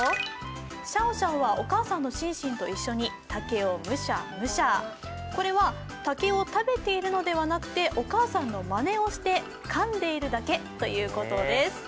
シャオシャオはお母さんのシンシンと一緒に竹をむしゃむしゃこれは竹を食べているのではなくて、お母さんのまねをしてかんでいるだけということです。